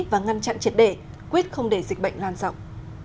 và ngăn chặn triệt để quyết không để dịch bệnh lan rộng